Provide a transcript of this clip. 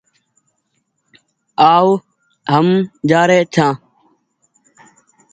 آ و هم جآ ري ڇآن ۔